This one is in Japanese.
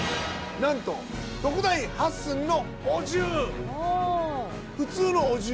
なんと特大８寸のお重。